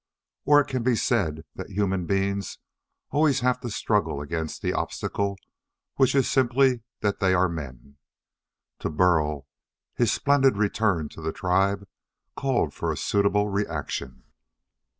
Or it can be said that human beings always have to struggle against the obstacle which is simply that they are men. To Burl his splendid return to the tribe called for a suitable reaction.